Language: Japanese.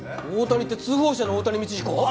大谷って通報者の大谷道彦？